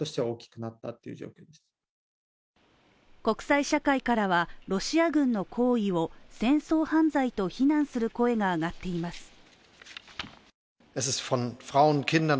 国際社会からはロシア軍の行為を戦争犯罪と非難する声が上がっています。